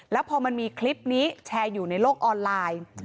แล้วพอมันมีคลิปนี้แชร์อยู่ในโลกออนไลน์